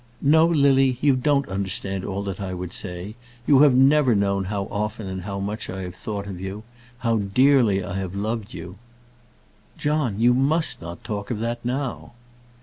"No, Lily; you don't understand all that I would say. You have never known how often and how much I have thought of you; how dearly I have loved you." "John, you must not talk of that now."